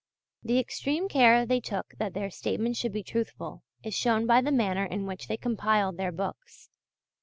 The extreme care they took that their statements should be truthful is shown by the manner in which they compiled their books.